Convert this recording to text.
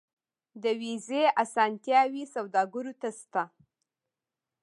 د ویزې اسانتیاوې سوداګرو ته شته